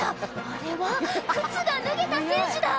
あれは靴が脱げた選手だ！